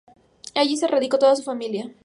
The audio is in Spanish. Allí se radicó toda su familia.